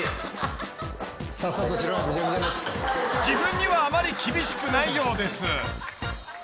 ［自分にはあまり厳しくないようです］